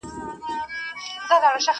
مبارک دي سه فطرت د پسرلیو.